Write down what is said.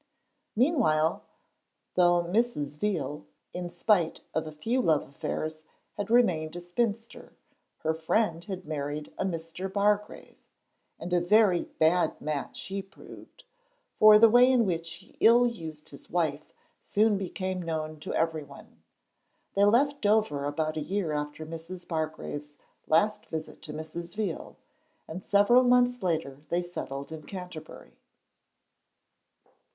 Meanwhile, though Mrs. Veal, in spite of a few love affairs, had remained a spinster, her friend had married a Mr. Bargrave, and a very bad match he proved, for the way in which he ill used his wife soon became known to everyone. They left Dover about a year after Mrs. Bargrave's last visit to Mrs. Veal, and several months later they settled in Canterbury.